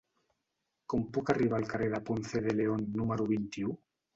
Com puc arribar al carrer de Ponce de León número vint-i-u?